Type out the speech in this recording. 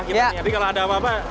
jadi kalau ada apa apa